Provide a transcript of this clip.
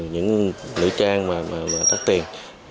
những nữ trang mà tắt tiền